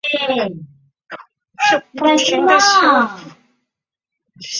从而产生了劳动的节奏感。